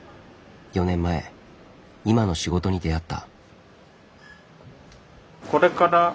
４年前今の仕事に出会った。